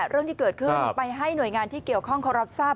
เรื่องที่เกิดขึ้นไปให้หน่วยงานที่เกี่ยวข้องเขารับทราบ